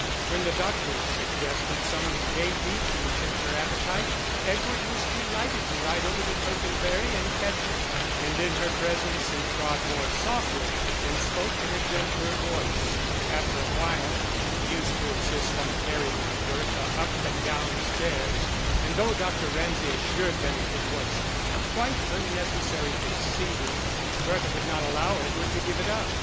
When the doctor suggested some dainty to tempt her appetite, Edward was delighted to ride over to Tercanbury to fetch it; and in her presence he trod more softly and spoke in a gentler voice. After a while he used to insist on carrying Bertha up and down stairs, and though Dr. Ramsay assured them it was a quite unnecessary proceeding, Bertha would not allow Edward to give it up.